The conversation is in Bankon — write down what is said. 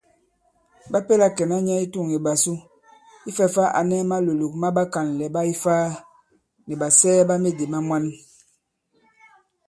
Ɓa pèla kɛ̀na nyɛ i tûŋ ìɓàsu ifɛ̄ fā a nɛ malòlòk ma ɓakànlɛ̀ ɓa Ifaa nì ɓàsɛɛ ɓa medì ma mwan.